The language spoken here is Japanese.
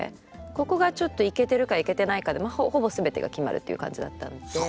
ここがちょっとイケてるかイケてないかでほぼ全てが決まるっていう感じだったので。